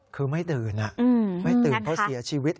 คือไม่ตื่นไม่ตื่นเพราะเสียชีวิต